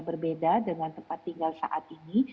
berbeda dengan tempat tinggal saat ini